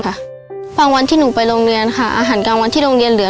บางวันที่หนูไปโรงเรียนค่ะอาหารกลางวันที่โรงเรียนเหลือ